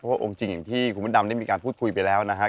เพราะองค์จริงอย่างที่คุณพระดำได้มีการพูดคุยไปแล้วนะครับ